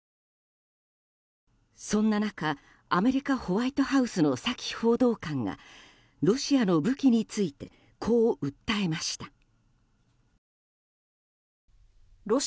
そんな中、アメリカホワイトハウスのサキ報道官がロシアの武器についてこう訴えました。